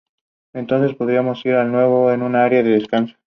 El puerto de El Pireo ha sido el puerto de Atenas desde la Antigüedad.